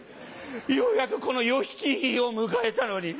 ようやくこの良き日を迎えたのに。